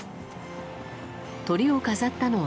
トリを飾ったのは。